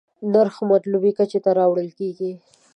نرخ مطلوبې کچې ته راوړل کېږي.